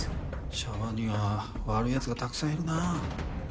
シャバには悪いやつがたくさんいるな。